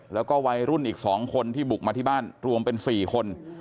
แล้วก็วัยรุ่นอีก๒คนที่บุกมาที่บ้านรวมเป็น๔คน